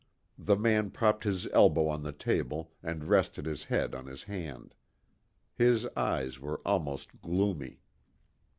The man propped his elbow on the table and rested his head on his hand. His eyes were almost gloomy.